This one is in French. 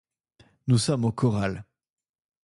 Nous sommes au corral